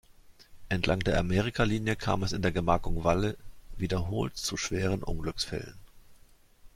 Entlang der Amerikalinie kam es in der Gemarkung Walle wiederholt zu schweren Unglücksfällen.